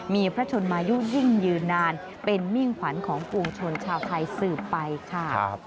มีพระชนมายุยิ่งยืนนานเป็นมิ่งขวัญของปวงชนชาวไทยสืบไปค่ะ